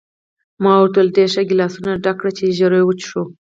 ما ورته وویل: ډېر ښه، ګیلاسونه ډک کړه چې ژر وڅښو.